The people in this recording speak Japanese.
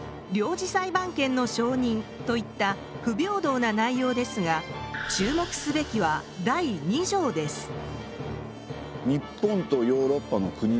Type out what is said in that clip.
領事裁判権の承認といった不平等な内容ですが注目すべきは第二条です。